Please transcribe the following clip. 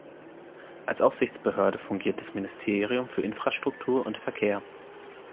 Als Aufsichtsbehörde fungiert das Ministerium für Infrastruktur und Verkehr.